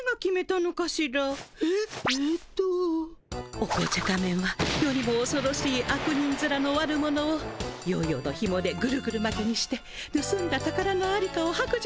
お紅茶仮面は世にもおそろしい悪人づらの悪者をヨーヨーのヒモでグルグルまきにしてぬすんだ宝のありかを白状させます。